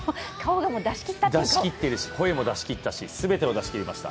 出し切ってるし、声も出し切ったし全てを出し切りました。